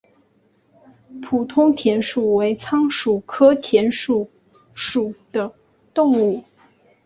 普通田鼠为仓鼠科田鼠属的动物。